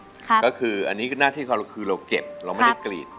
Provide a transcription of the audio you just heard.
อันนี้คือหน้าที่ควรคือเราเก็บไม่ได้กลีด